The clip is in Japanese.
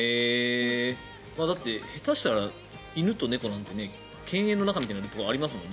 下手したら犬と猫なんて犬猿の仲みたいなところありますもんね。